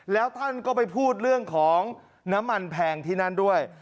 แล้วท่านก็ไปพูดเรื่องของน้ำมันแพงที่นั่นด้วย